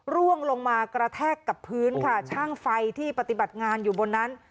ร่วงลงมากระแทกกับพื้นค่ะช่างไฟที่ปฏิบัติงานอยู่บนนั้น